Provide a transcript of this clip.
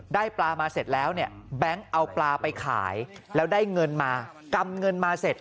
ได้ปลามาเสร็จแล้วเนี่ยแบงค์เอาปลาไปขายแล้วได้เงินมากำเงินมาเสร็จ